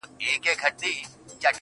جنگ دی سوله نه اكثر.